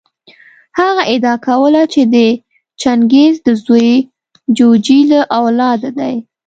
هغه ادعا کوله چې د چنګیز د زوی جوجي له اولاده دی.